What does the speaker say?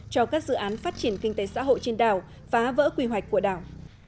cho các dự án phát triển kinh tế xã hội trên đảo phá vỡ quy hoạch của đảo